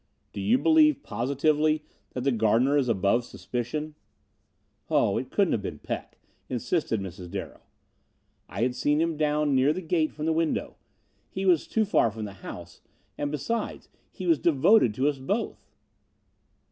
Do you believe, positively, that the gardener is above suspicion?" "Oh, it couldn't have been Peck," insisted Mrs. Darrow. "I had seen him down near the gate from the window. He was too far from the house, and besides, he was devoted to us both."